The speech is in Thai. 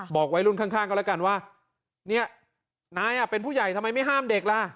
บอกวัยรุ่นข้างก็แล้วกันว่าเนี่ยนายเป็นผู้ใหญ่ทำไมไม่ห้ามเด็กล่ะ